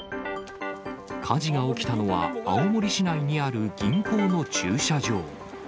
火事が起きたのは、青森市内にある銀行の駐車場。